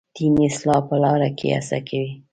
دیني اصلاح په لاره کې هڅه کوي.